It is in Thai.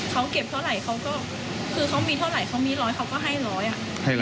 เขาเก็บเท่าไหร่เขาก็คือเขามีเท่าไหร่เขามีร้อยเขาก็ให้ร้อยอ่ะ